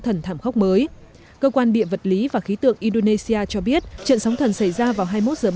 thần thảm khốc mới cơ quan biện vật lý và khí tượng indonesia cho biết trận sóng thần xảy ra vào